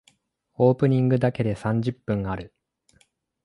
オープニングだけで三十分ある。